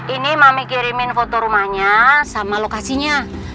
ini mami kirimin foto rumahnya sama lokasinya